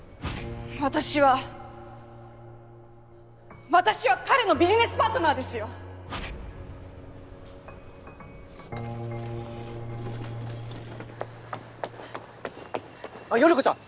私は私は彼のビジネスパートナーですよ頼子ちゃん！